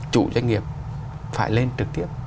chủ doanh nghiệp phải lên trực tiếp